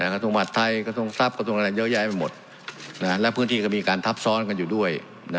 กระทรวงหัสไทยกระทรวงทรัพย์กระทรวงอะไรเยอะแยะไปหมดและพื้นที่ก็มีการทับซ้อนกันอยู่ด้วย